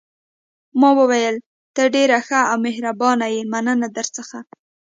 ما وویل: ته ډېره ښه او مهربانه یې، مننه درڅخه.